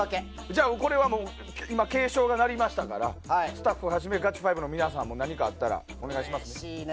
じゃあ、これは今警鐘が鳴りましたからスタッフをはじめガチ５の皆さんも何かあったらお願いします。